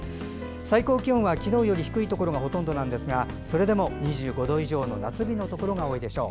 最高気温は昨日より低いところがほとんどなんですがそれでも２５度以上の夏日のところが多いでしょう。